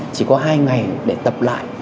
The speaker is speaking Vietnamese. chỉ có hai ngày để tập lại